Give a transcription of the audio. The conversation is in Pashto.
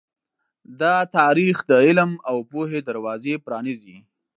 دا تاریخ د علم او پوهې دروازې پرانیزي.